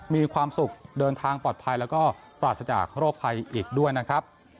มีความสุขเดินทางปลอดภัยแล้วก็ปราศจากโรคภัยอีกด้วยนะครับ